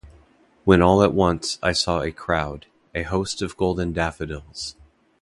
When all at once I saw a crowd, a host of golden daffodils.